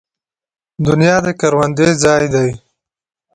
دنیا د کروندې ځای دی